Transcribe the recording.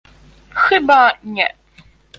Chyba nie